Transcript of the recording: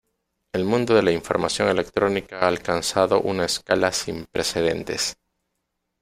El mundo de la información electrónica ha alcanzado una escala sin precedentes.